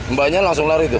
mbaknya langsung lari tuh